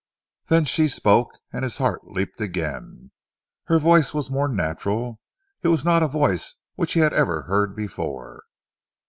Then she spoke, and his heart leaped again. Her voice was more natural. It was not a voice which he had ever heard before.